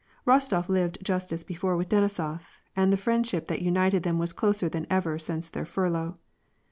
Rostof lived just as before with Denisof, and the friend ship that united them was closer than ever since their furlough.